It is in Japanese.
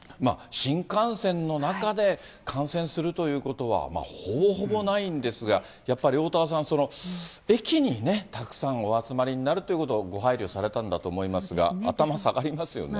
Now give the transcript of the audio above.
新幹線の中で感染するということは、ほぼほぼないんですが、やっぱり、おおたわさん、駅にね、たくさんお集まりになるということをご配慮されたんだと思いますが、頭下がりますよね。